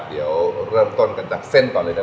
เดี๋ยวเริ่มต้นกันจากเส้นก่อนเลยเ